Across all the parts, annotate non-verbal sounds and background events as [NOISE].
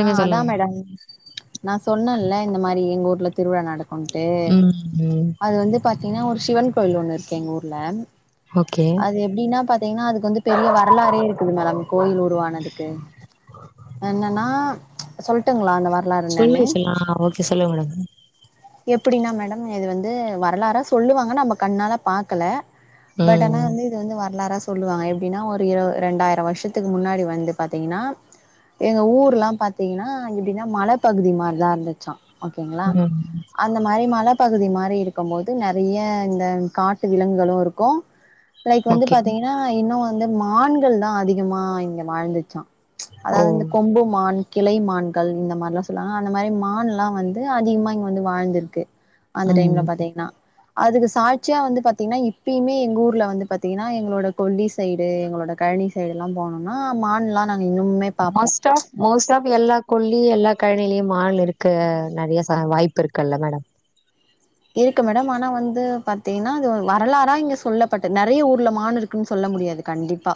ஆ அதா சொல்லுங்க மேடம் நா சொன்னேன்ல இந்த மாதிரி எங்க ஊர்ல திருவிழா நட க்குன்ட்டு ம்ம் அது வந்து பாத்தீங்கன்னா ஒரு ஷிவன் கோவில் ஒண்ணு இருக்கு எங்க ஊர்ல ஓகே அது அப்டின்னா பாத்தீங்கன்னா அதுக்கு வந்து பெரிய வரலாறே இருக்குது மேடம் கோயில் உருவானதுக்கு என்னன்னா சொல்ட்டுங்களா அந்த வரலாறு என்னனு சொல்லுங்க சொல்லு ஆ ஓகே சொல்லுங்க மேடம் எப்டின்னா மேடம் இது வந்து வரலாறா சொல்லுவாங்க நம்ம கண்ணால பாக்கல பட் ஆனா ம் வந்து இது வந்து வரலாறா சொ சொல்லுவாங்க எப்டினா ஒரு இரு ரெண்டாயிரோ வருஷத்துக்கு முன்னாடி வந்து பாத்தீங்கனா எங்க ஊர்ல்லா பாத்தீங்கன்னா எப்டின்னா மலப்பகுதி மாரிதா இருந்துச்சா ஓகேங்களா ம் அந்த மாரி மலப்பகுதி மாரி இருக்கும் போது நறைய இந்த கா ட்டு விலங்குகளும் இருக்கு லைக் வந்து ஓகே பாத்தீங்கன்னா இன்னு வந்து மான்கள் தா அதிகமா இங்க வாழ்ந்துச்சா ஓ அதாவது இந்த கொம்பு மான் கிளை மான்கள் இந்த மாரிலா சொல்லுவாங்க அந்த மாரி மான்ல்லா வந்து அதிகமா இங்க வந்து வாழ்ந்திருக்கு அந்த ம் டைம்ல பாத்தீங்கன்னா அதுக்கு சாட்சியா வந்து பாத்தீங்கன்னா இப்பியுமே எங்க ஊர்ல வந்து பாத்தீங்கன்னா எங்களோட கொல்லி சைடு எங்களோட கழனி சைடுல்லாம் போனும்னா மான்ல்லா நாங்க இன்னனுமே மஸ் டாஃப் மோஸ்ட் ஆஃப் எல்லா கொல்லிகல்லா கழனிலியும் மான் இருக்க நறைய ச வாய்ப்பு இருக்குல்ல மேடம் இருக்கு மேடம் ஆனா வந்து பாத்தீங்கன்னா அது வரலாறா இங்க சொல்லப்பட்டது நறைய ஊர்ல மானுருக் குனு சொல்ல முடியாது கண்டிப்பா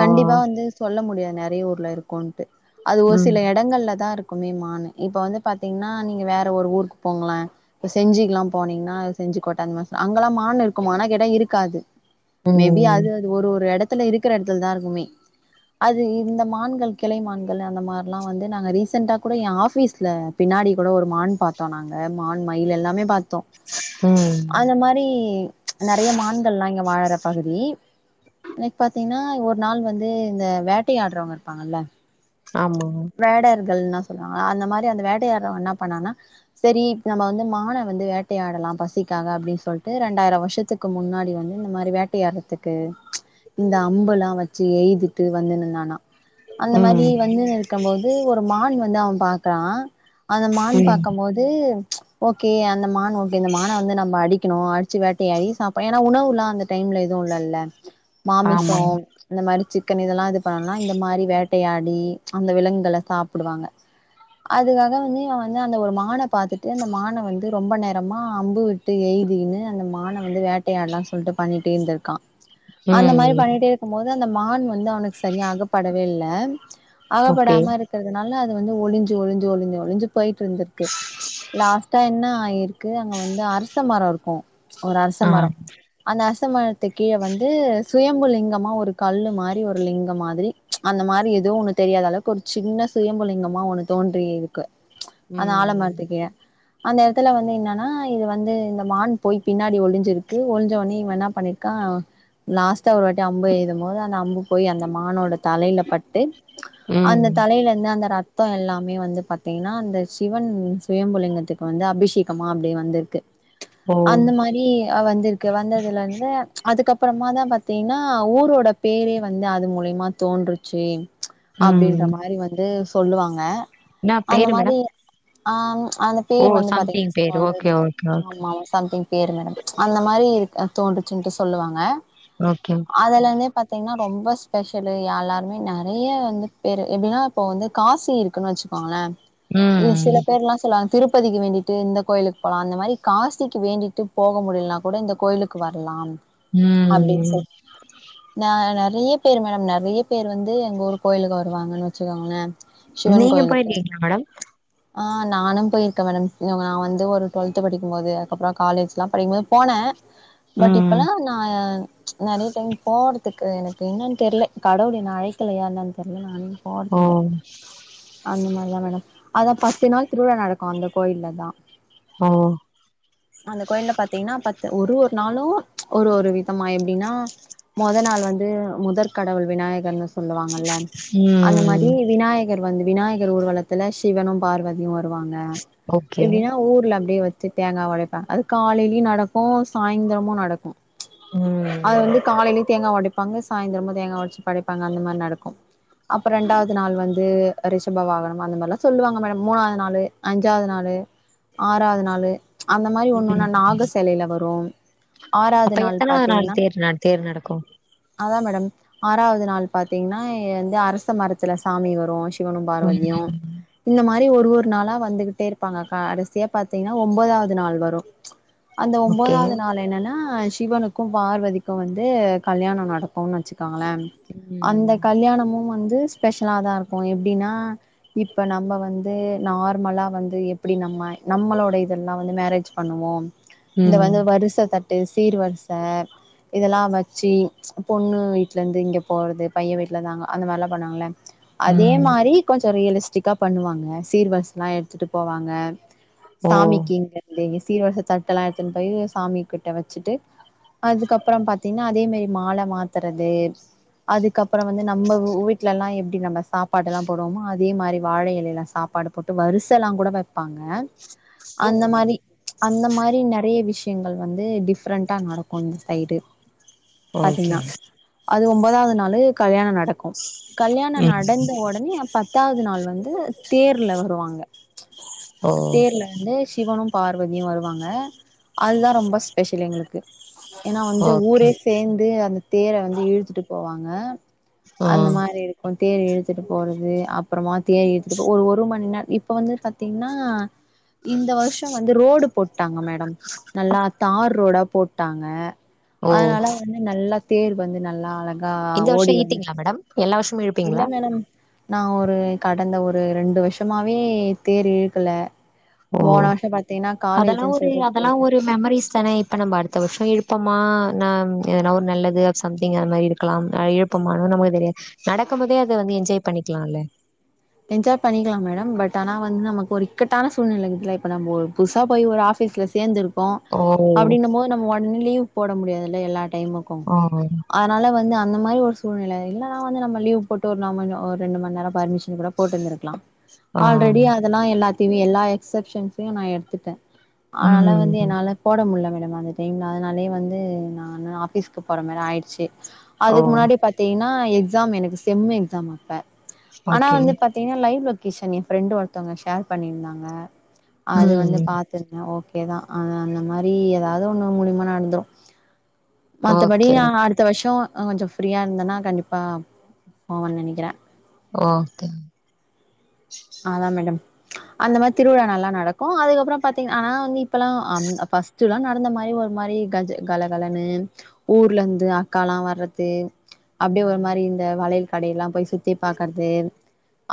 ஆ கண்டிப்பா வந்து சொல்ல முடியாது நறைய ஊர்ல இருக்குன்ட்டு அது ஒரு ம் சில இடங்கள்ல தா இரு மே மானு இப்ப வந்து பாத்தீங்கன்னா நீங்க வேற ஒரு ஊருக்கு போங்கள இப்ப செஞ்சிக்குல்லா போனீங்கன்னா செஞ்சு கோட்ட அந்த மாரி அங்கெல்லாம் மான் இருக்கு மானு கேட்டா இருக்காது மேபி ம் அது அது ஒரு ஒரு எடத்துல இருக்கிற எடத்துல தா இருக்குமே அது இந்த மான்கள் கிளை மான்கள் அந்த மாரிலா வந்து நாங்க ரீசெண்ட்டா கூட எ ஆஃபீஸ்ல பின்னாடி கூட ஒரு மான் பாத்தோ நாங்க மான் மயில் எல்லாமே ப ம் அந்த மாரி நறைய மான்கள்லா இங்க வாழற பகுதி அன்னைக்கு பாத்தீங்கன்னா ஒரு நாள் வந்து இந்த வேட்டை ஆடுறவங்க இருப்பாங்கல்ல ஆமா வேடையர்கள்னா சொல்லுவாங்க அந்த மாரி அந்த வேட்டையாடுறவ என்ன பண்ணனா செரி இப்ப நம்ம வந்து மான வந்து வேட்டையாடலா பசிக்காக அப்டின்னு சொல்ட்டு ரெண்டாயிரோ வருஷத்து க்கு முன்னாடி வந்து இந்த மாரி வேட்டையாட்றதுக்கு இந்த அம்பெல்லா வெச்சு எய்திட்டு வந்துனுந்தானா அந்த மாரி ம் வந்துனு இருக்க போது ஒரு மான் வந்து அவ பாக்றா அந்த மான் ம் பாக்கு போது ஓகே அந்த மான் ஓகே இந்த மான வந்து நம்ம அடி க்கணு அடிச்சு வேட்டையாடி சாப்போ ஏன்னா உணவுல்லா அந்த டைம்ல எதுவு இல்லல்ல ஆமா மாமிசோ இந்த மாரி சிக்கன் இதெல்லா இது பண்ணனுன்னா இந்த மாரி வேட்டையாடி அந்த விலங்குகள சாப்ட்டுவாங்க அதுக்காக வந்து அவ வந்து அந்த ஒரு மான பாத்துட்டு அந்த மான வந்து ரொம்ப நேரமா அம்பு விட் ட்டு எய்தின்னு அந்த மான வந்து வேட்டையாட்லானு சொல்ட்டு பண்ணிட்டே இருந்திருக்கா அந்த மாரி ம் பண்ணிட்டே இருக்கு போது அந்த மான் வந்து அவனுக்கு சரியா அகப்படவே இல்ல ஓகே அகப்படாம இருக்கறதுனால அது வந்து ஒளிஞ்சு ஒளிஞ்சு ஒளிஞ்சு ஒளிஞ்சு போயிட்டு இருந்திருக்கு லாஸ்டா என்ன ஆயிருக்கு அங்க வந்து அரச மரோ இருக்கு ஒரு அரச ஆ மரோ அந்த அரச மரத்து கீழ வந்து சுயம்பு லிங்கமா ஒரு கல்லு மாரி ஒரு லிங்க மாரி அந்த மாரி எதோ ஒன்னு தெரியாத அளவுக்கு ஒரு சின்ன சுயம்பு லிங்கமா ஒண்ணு தோன்றி இருக்கு அந்த ஆழ ம் மரத்து கீழ அந்த எடத்துல வந்து என்னன்னா இது வந்து இந்த மான் போய் பின்னாடி ஒளிஞ்சிருக்கு ஒளிஞ்ச ஒடனே இவ என்ன பண்ணி இருக்கா லாஸ்ட்டா ஒரு வாட்டி அம்பு எய்தும் போது அந்த அம்பு போய் அந்த மானோட தலையில பட்டு [UNINTELLIGIBLE] அந்த தலையில இருந்து அந்த ரத் த்தோ எல்லாமே வந்து பாத்தீங்கன்னா அந்த சிவன் சுயம்பு லிங்கத்துக்கு வந்து அபிஷேகமா அப்டி வந்திருக்கு ஓ அந்த மாரி வந்திருக்கு வந்ததுல இருந்து அதுக்கப்றமா தா பாத்தீங்கன்னா ஊரோட பேரே வந்து அது மூலிமா தோன்றுச்சு ம் அப்டின்ற மாரி வந்து சொல்லுவாங்க என்னா அந்த பேரு மாரி மேடம் அ அந்த ஓ போர் வந்து சம்திங் பேரு ஓகே பாத்தீங்கன்னா ஓகே [UNINTELLIGIBLE] ஓகே ஆமா சம்திங் பேரு மேடம் அந்த மாரி இது தோன்றுச்சுட்டு சொல்லுவாங்க ஓகே அதுல இருந்தே பாத்தீங்கன்னா ரொம்ப ஸ்பெஷலு எல்லாருமே நெ நெறைய வந்து பேரு எப்டின்னா இப்போ வந்து காசி இருக்குன்னு வெச்சுக்கோங்களே இது ம் சில பேர்ல்லா சொல்லுவாங்க திருப்பதிக்கு வேண்டிட்டு இந்த கோயிலுக்கு போலா அந்த மாரி காசிக்கு வேண்டிட்டு போக முடிலன்னா கூட இந்த கோயிலுக்கு வரலாம் அப்டின்னு ம் சொல்லுவாங்க நெ நெறைய பேர் மேடம் நெறைய பேர் வந்து எங்க ஊர் கோயிலுக்கு வருவாங்கன்னு வெச்சுக்கோங்களே நீங்க போயிருக்கீங்ளா மேடம் அ நானு போயிருக்கே மேடம் நா வந்து ஒரு டுவெல்த் படிக்கும்போது அதுக்கப்றோ காலேஜ் எல்லா படிக்கும் போது போனே பட் ம் இப்பெல்லா நா நெறைய டைம் போற த்துக்கு எனக்கு என்னன்னு தெரில கடவுள் என்ன அழைக்கலையா என்னன்னு தெரில நானே ஓ போறதில்ல அந்த மாரிதா மேடம் அதா பத்து நாள் திருவிழா நடக்கு அந்த கோயில்ல தா ஓ அந்த கோயில்ல பாத்தீங்கன்னா பத்து ஒரு ஒரு நாளு ஒரு ஒரு விதமா எப்டின்னா மொதல் நாள் வந்து முதற்கடவுள் விநாயகன்னு சொல்லுவாங்கல்ல அந்த மாரி ம் விநாயக கர் வந்து விநாயகர் ஊர்வலத்துல சிவனு பார்வதியு வருவாங்க ஓகே எப்டின்னா ஊர்ல அப்டியே வெச்சு தேங்கா ஒடைப்பாங்க அது காலையிலியு நடக்கு சாயந்திரமு நடக்கு அது ம் வந்து காலையிலியு தேங்கா ஒடப் ப்பாங்க சாய்ந்திரமு தேங்கா வெச்சு படைப்பாங்க அந்த மாரி நடக்கு அப்றோ ரெண்டாவது நாள் வந்து ரிஷப வாகனம் அந்த மாரி எல்லா சொல்லுவாங்க மேடம் மூணாவது நாளு அஞ்சாவது நாளு ஆறாவ்து நாளு அந்த மாரி ம் ஒன்னொன்னா நாக செலைல வரும் அப்ப எத்தனாது நாள் தேர் ந தேர் நடக்கு அதா மேடம் ஆறாவ்து நாள் பாத்தீங்ன்னா வந்து அரச மரத்துல சாமி வரு சிவனு பார்வதியு ம் இந்த மாரி ஒரு ஒரு நாளா வந்துகிட்டே இருப்பாங்க கடைசியா பாத்திங்ன்னா ஒம்பதாவ்து நாள் வரு அந்த ஓகே ஒம்பதாவ்து நாள் என்னன்னா சிவனு க்கு பார்வதிக்கு வந்து கல்யாணோ நடக்குன் வெச்சுக்காங்களே அந்த ம் கல்யாணமும் வந்து ஸ்பெஷல தா இருக்கு எப்டின்னா இப்ப நம்ம வந்து நார்மலா வந்து எப்டி நம்ம நம்மளோட இதெல்லா வந்து மேரேஜ் பண்ணுவோ இந்த ம் வந்து வரிச தட்டு சீர்வர்ச இதெல்லா வச்சி பொண்ணு வீட்லருந்து இங்கே போறது பைய்யே வீட்ல தாங்க அந்த மாரிலா பண்ணுவாங்கல்ல அதே ம் மாரி கொஞ்சோ ரியலஸ் டிக்கா பண்ணுவாங்க சீர்வர்சல்லா எடுத்துட்டு போவாங்க ஓ சாமிக்கிங்க இது சீர் வர்ச தட்டெல்லா எடுத்துன் போய் சாமிகிட்ட வெச்சிட்டு அதுக்கப்றோ பாத்தீன்னா அதே மாரி மால மாத்தறது அதுக்கப்றோ வந்து நம்ம வு வீட்ல எல்லா எப்டி நம்ம சாப்பாடெல்லா போடுவோமோ அதே மாரி வாழ எலைல சாப்பாடு போட்டு வருசெல்லா கூட வெப்பாங்க ஓ அந்த மாரி அந்த மாரி நெறைய விஷ்யங்கள் வந்து டிஃப்ரெண்டா நடக்கு இந்த சைடு ஓகே பாத்தீங்ன்னா அது ஒம்பதாவ்து நாளு கல்யாண நட க்கு கல்யாண ம் நடந்த ஒடனே பத்தாவது நாள் வந்து தேர்ல வருவாங்க ஓ தேர்ல வந்து சிவனு பார்வதியு வருவாங்க அதுதா ரொம்ப ஸ்பெஷல் எங்ளுக்கு ஏனா வந்து ஓகே ஊரே சேந்து அந்த தேர வந்து இழுத்துட்டு போவாங்க ஆ அந்த மாரி இருக்கு தேர் இழுத்துட்டு போறது அப்புறமா தே இழுத்துட்டு போ ஒரு ஒரு மணி நேர் இப்ப வந்து பாத்தீங்ன்னா இந்த வர்ஷ் ஷோ வந்து ரோடு போட்டாங்க மேடம் நல்லா தார் ரோடா போட்டாங்க ஓ அதனால வந்து நல்லா தேரு வந்து நல்லா அழ கா இந்த வருஷோ ஓடி வந்து இழுத்தீங்களா மேடம் எல்லா வருஷமு இல்ல இழுப்பீங்களா மேடம் நா ஒரு கடந்த ஒரு ரெண்டு வர்ஷமாவே தேர் இழுக்கல ஓ போன வருஷோ பாத்தீங்கன்னா அதெல்லா காலேஜ்ன்னு ஒரு சொல்ட்டு அதெல்லா போயிட்டே ஒரு மெமரிஸ் தானே இப்ப நம்ப அடுத்த வர்ஷோ இழுப்போமா நா எதனா ஒரு நல்லது சம்திங்கு அது மாரி இருக்கலாம் அ எப் இப்போமானு நம்மளுக் தெரியாத் நடக்கும் போதே அத வந்து என்ஜாய் பண்ணிக்லால என்ஜாய் பண்ணிக்கலா மேடம் பட் ஆனா வந் நமக்கொரு இக்கட்டான சூழ்நிலைக்கு இல இப்ப நம்ப ஒரு புதுசா போய் ஒரு ஆ ஃபீஸ்ல சேந்துருப்போ ஓ அப்டினுமோது நம்ம ஒட்னே லீவு போட முடியாதுல்ல எல்லா டைமு ஆ அ அதனான வந்து அந்த மாரி ஒரு சூழ்நில இல்லனா வந்து நம்ப லீவ் போட்டு ஒரு நம்ம அ ஒர் ரெண்டு மண் நேரோ பர்மிஷன் கூடோ போட்டுருந்திருக்லா ஆ ஆல்ரெடி அதெல்லா எல்லாத்தியு எல்லா எக்ஸப்ஷன்ஸையு நான் எடுத்துட்டே ஆனால வந்து ம் என்னால போட முட்ல மேடம் அது தெங் அதனாலே வந்து நா என்னோட ஆஃபீஸ்கு போற மாரி ஆயிச்சு ஓ அதுக்கு முன்னாடி பாத் தீங்னா எக்ஸாம் எனக்கு செம் எக்ஸாம் அப்ப ஆனா ஓகே வந்து பாத் திங்னா லைவ் லொகேஷன் ஏ ஃப்ரெண்டு ஒருத்தவுங்க ஷேர் பண்ணிருந்தாங்க அது வந்து ம் பாத்துருக்கே ஓக் கே தா அது அந்த மாதிரி எதாவ்து ஒன்னு மூலியமா நடந்துரூ மத்தபடி ஓகே நா அடுத் த்த வருஷோ கொஞ்சோ ஃப்ரீயா இருந்தேனா கண்டிப்பா போவே நெனைக்கிறே ஓகே அதா மேடம் அந்த மாரி திருவிழா நல்லா நடக்கூ அதுக்கப்றோ பாத்தீங் ஆனா வந்து இப்பல்லா அந் அப்பஸ் சுலா நடந்த மாரி ஒரு மாரி கஜ் கல கலனு ஊர்லந்து அக்காலா வர்றது அப்டியே ஒரு ம் மாரி இந்த வளையல் கடையெல்லா போய் சுத்தி பாக்குறது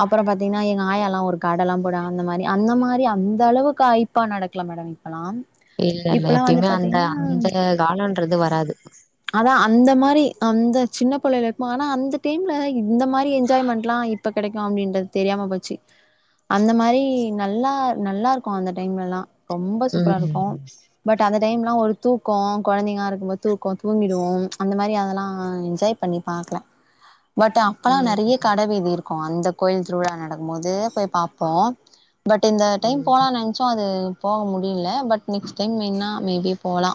அப்றோ பாத்தீங்னா எங்க ஆயாலா ஒரு கடையெல்லா போடுவாங்க அந்த மாரி அந்த மாரி அந்த அளவுக்கா இப்ப நடக்கல மேடம் இப்பலா இல்ல இல்ல எப்பயுமே அந்த அந்த காலன்றது வராது அதான் அந்த மாரி அந்த சின்ன பிள்ளைையில இருக்கும ஆனா அந்த டைம்ல இந்த மாரி என்ஜாய்மெண்ட்லாம் இ இப்ப கிடைக்கும் அப்டின்றது தெரியாம போச்சு அந்த மாரி நல்லா நல்லா இருக்கும் அந்த டைம்லல்லாம் ரொம்ப ம் சூப்பரா இருக்கும் பட் அந்த டைம்லாம் ஒரு தூக்கம் குழந்தைங்களா இருக்கும் போது தூக்கம் தூங்கிடுவோம் அந்த மாரி அதெல்லாம் என்ஜாய் பண்ணி பாக்கலா பட் அப்பெல்லா ம் நறைய கட வீதி இருக்கும் அந்த கோயில் திருவிழா நடக்கும் போது போய் பாப்போம் பட் இந்த டைம் ம் போனா நெ னச்ச அது போக முடியல பட் நெக்ஸ்ட் டைம் வேணா மேபி போலா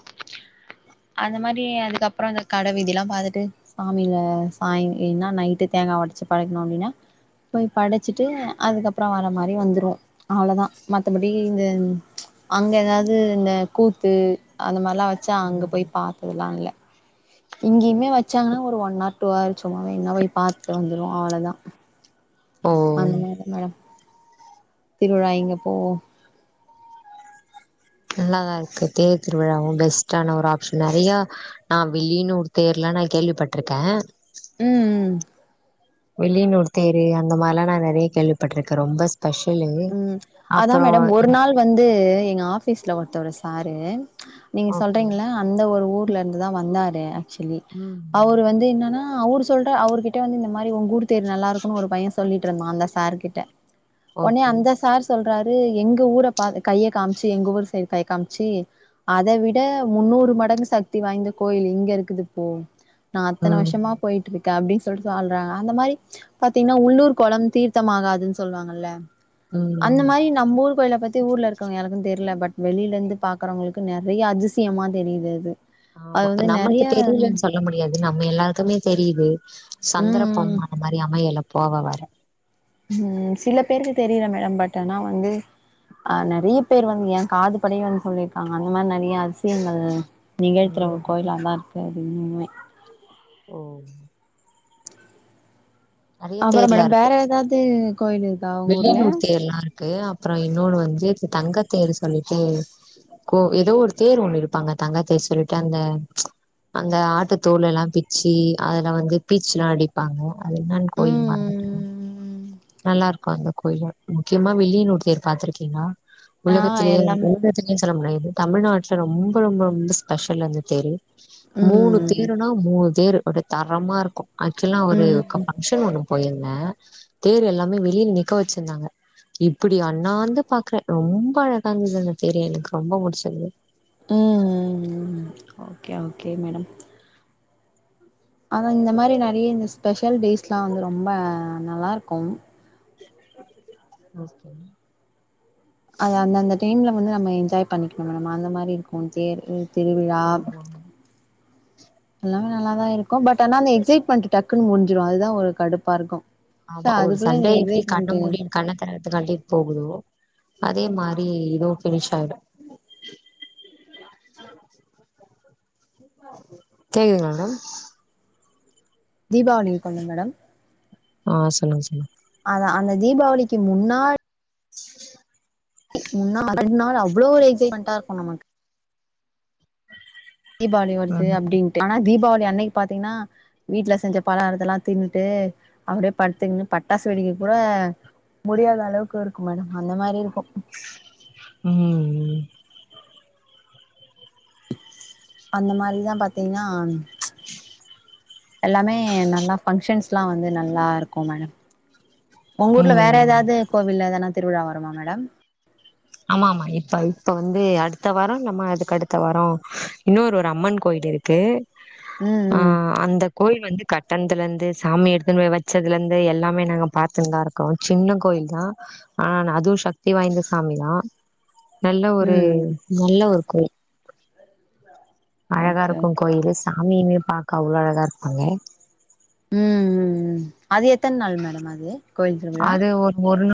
அந்த மாரி அதுக்கப்பறோ கடை வீதில்லா பாத்துட்டு சாமில சாயம் ஏனா நைட்டு தேங்கா உடச்சு பழகணோம் அப்டின்னா போய் படச்சிட்டு அதுக்கப்பறோ வர மாரி வந்துருவோம் அவ்ளோதா மத்தபடி இந்த அங்க ஏதாது இந்த கூத்து அந்த மாரிலா வச்சா அங்க ம் போய் பாத்ததுல்லா இல்ல இங்கேயுமே வச்சாங்கன்னா ஒரு ஒன் ஆர் டூ ஆர் சும்மாவே என்னா போய் பார்த்தட்டு வந்துருவோம் அவ்ளோதா ஓ அந்த மாரி மேடம் திருவிழா இங்க போவோம் நல்லாதான் இருக்கு தேர் திருவிழாவும் பெஸ்டான ஒரு ஆப்ஷன் நறையா நான் வில்லியனூர் தேர்லாம் நான் கேள்விப்பட்டிருக்கேன் ம் ம் வில்லியனூர் தேரு அந்த மாரிலாம் நான் நறைய கேள்விப்பட்டிருக்கேன் ரொம்ப ஸ்பெஷலு ம் அதா அப்பறோ மேடம் ஒரு நாள் வந்து எங்க ஆபீஸ்ல ஒருத்தவரு சாரு நீங்க ஓகே சொல்றீங்கள அந்த ஒரு ஊர்ல இருந்துதான் வந்தாரு ஆக்சுவலி ம் அவர் வந்து என்னன்னா ஆ அவுர் சொல்ற அவருர்கிட்ட வந்து இந்த மாரி உங்க ஊர் தேர் நல்லா இருக்கும்ன்னு ஒரு பையன் சொல்லிட்டு இருந்தான் அந்த சார்கிட்ட ஒனே ஓகே அந்த சார் சொல்றாரு எங்க ஊர பா கைய காம்ச்சி எங்க ஊர் சைடு கைய காம்ச்சி அத விட முன்னூறு மடங்கு சக்தி வாய்ந்த கோயில் இங்க இருக்குதுப்போ நா அத்தன ம் வருஷமா போயிட்டுருக்கே அப்டி சொல்ட்டு ஆள்றாங்க அந்த மாரி பாத்தீங்ன்னா உள்ளூர் கொளம் தீர்த்தம் ஆகாதுன்னு சொல்லுவாங்கல்ல அந்த ம் மாரி நம் ஊர் கோயில பத்தி ஊர்ல இருக் காங்க யாருக்கு தெர்ல பட் வெளில இருந்து பாக்குறவங்களுக்கு நெறையா அதிசயமா தெரியுது அது ஆமா அது மேரி நமக்கு நறையா தெரியலன்னு சொல்ல முடியாது நம்ம எல்லாருக்குமே தெரியுது சந்தர்ப்பம் ம் அந்த மாரி அமையல போவ வர ம் சில பேருக்கு தெரியல மேடம் பட் ஆனா வந்து ஆ நறையா பேர் வந்து ஏ காது படயே வந்து சொல்லிருக்காங்க அந்த மாரி நறையா அ திசியங்கள் நிகழ்த்துற ஒரு ம் கோயிலா தா இருக்கு அது இன்னுமே ஓ நெறைய அப்பறம் மேடம் வேற ஏதாது கோயில் இரு வில்லியனூர் தேர்ல்லா இருக்கு அப்புற இன்னொன்னு வந்து தங்கத்தேர் சொல்லிட்டு கோ ஏதோ ஒரு தேர் ஒண்ணு இழுப்பாங்க தங்கத்தேர் சொல்லிட்டு அந்த அங்க ஆட்டுத்தோள் எல்லா பிச்சி அதுல வந்து பீச்சில்லா அடிப்பாங்க அது என்னானு கோயில் மறந்துட் ம்ம் நல்லா இருக்கு அந்த கோயில்ல முக்கியமா வில்லியனூர் தேர் பாத்துருக்கீங்களா ஆ உலகத்திலேயே [UNINTELLIGIBLE] எல்லாம் [UNINTELLIGIBLE] இது தமிழ்நாட்டுல ரொம்ப ரொம்ப ரொம்ப ஸ்பெஷல் அந்த தேரு மூணு ம் தேருனா மூணு தேரு ஒரே தரமா இருக்கும் ஆக்சுவல்லா ஒரு க ம் ஃபங்ஸ் ஷன் ஒன்னு போயிருந்த தேர் எல்லாமே வெளிய நிக்க வச்சிருந்தாங்க இப்டி அண்ணாந்து பாக்குற ரொம்ப அழகாந்தது அந்த தேரு எனக்கு ரொம்ப புடிச்சிருந்தது ம் ம் ம் ஓகே ஓகே மேடம் அதா இந்த மாரி நறைய இந்த ஸ்பெஷல் டேஸ்லாம் வந்து ரொம்ப நல்லா இருக்கும் ஓகே அது அந்தந்த டைம்ல வந்து நம்ம என்ஜாய் பண்ணிக்கணும் மேடம் அந்த மாரி இருக்கும் தேரு திருவிழா ஆமா எல்லாமே நல்லாதா இருக்கும் பட் ஆனா அந்த எக்ஸைட்மெண்ட் டக்குன்னு முடிஞ்சுரு அதுதா ஒரு கடுப்பா இருக்கோ ச ஆமா ஒரு அதுக்குள்ள எங்க சண்டே எப்டி கண்ண எக்ஸைட்மென்டு மூடி கண்ண [UNINTELLIGIBLE] போகுதுவோ அதே மாரி இதுவு ஃப்னிஷ் ஆய்டு கேக்குதுங்களா மேடம் தீபாவளிய கொண்டன் மேடம் ஆ சொல்லுங்க சொல்லுங்க அதா அந்த தீபாவளிக்கி முன்னாடி கி முன்னா முன்னால அவ்ளோ ஒரு எக்சைட்மெண்டா இருக்கு நமக் தீபாவளி வருது அப்டின்ட்டு ஆனா தீபாவளி அன்னைக்கு பாத்தீங்கன்னா வீட்ல செஞ்ச பலகாரத்த எல்லா தின்னுட்டு அப்டியே படுத்துக்குன் பட்டாசு வெடிக்க கூட முடியாத அளவுக்கு இருக்கு மேடம் அந்த மாரி இருக்கு ம் அந்த மாரிதா பாத்தீங்ன்னா எல்லாமே நல்லா ஃபங்க்ஷன்ஸ்லா வந்து நல்லா இருக்கு மேடம் உங்கூர்ல வேற ம் எதாவ்து கோவில் எதனா திருவிழா வருமா மேடம் ஆமாமா இப்ப இப்ப வந்து அடுத்த வார இல்லாம அதுக்கு அடுத்த வாரோ இன்னொரு ஒரு அம்மன் கோயில் இருக்கு ம் ஆ ம் அந்த கோயில் வந்து கட்டணதுல இருந்து சாமி எடுத்துன்னு போய் வச்சதுல இருந்து எல்லாமே நாங்க பாத்துனுதா இருக் கு சின்ன கோயில் தா ஆனா அதுவு சக்தி வாய்ந்த சாமி தா நல்ல ஒரு ம் ம் நல்ல ஒரு கோயில் அழகா ஓகே இருக்கு ஓகே கோயிலு சாமியிமே பாக்க அவ்ளோ அழகா இருப்பாங்க ம் ம் ம் அது எத்தன நாள் மேடம் அது கோயில் திருவிழா அது ஒரு ஒரு நா